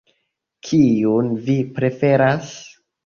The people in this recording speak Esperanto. Kiun vi preferas?